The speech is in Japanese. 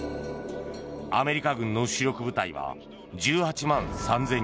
アメリカ軍の主力部隊は１８万３０００人。